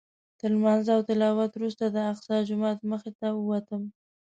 تر لمانځه او تلاوت وروسته د الاقصی جومات مخې ته ووتم.